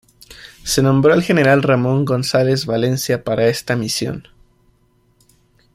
Se nombró al general Ramón González Valencia para esta misión.